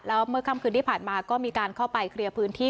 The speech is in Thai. แล้วเมื่อค่ำคืนที่ผ่านมาก็มีการเข้าไปเคลียร์พื้นที่